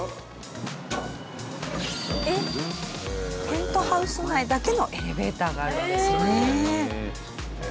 ペントハウス内だけのエレベーターがあるんですね。